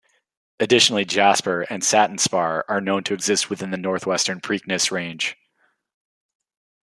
Additionally, jasper and satin spar are known to exist within the northwestern Preakness Range.